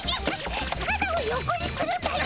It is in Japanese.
体を横にするんだよ。